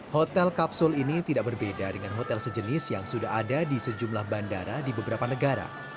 hotel kapsul ini tidak berbeda dengan hotel sejenis yang sudah ada di sejumlah bandara di beberapa negara